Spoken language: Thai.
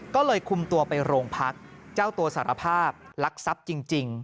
ก็เลยคุมตัวไปโรงพักเจ้าตัวสารภาพลักทรัพย์จริง